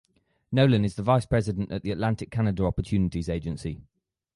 Nowlan is the Vice president at the Atlantic Canada Opportunities Agency.